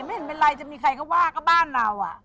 ไม่เห็นเป็นไรจะมีใครก็ว่าก็บ้านเรา